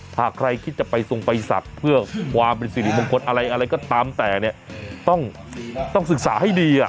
ถ้าใครคิดจะไปทรงไปศักดิ์เพื่อความเป็นสิริมงคลอะไรอะไรก็ตามแต่เนี่ยต้องศึกษาให้ดี